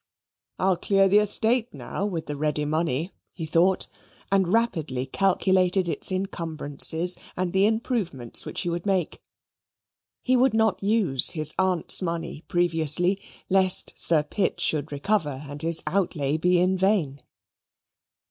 "I'll clear the estate now with the ready money," he thought and rapidly calculated its incumbrances and the improvements which he would make. He would not use his aunt's money previously lest Sir Pitt should recover and his outlay be in vain.